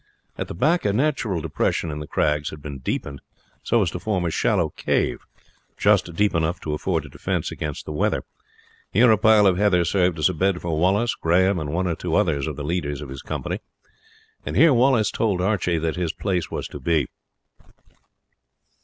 At the back a natural depression in the crags had been deepened so as to form a shallow cave just deep enough to afford a defense against the weather; here a pile of heather served as a bed for Wallace, Grahame, and one or two others of the leaders of his company, and here Wallace told Archie that his place was to be.